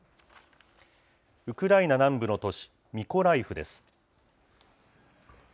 ウクライナ南部の都市ミコライフです。